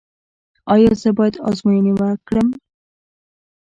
ایا زه باید ازموینې وکړم؟